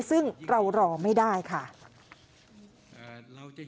ซึ่งเรารอไม่ได้ค่ะ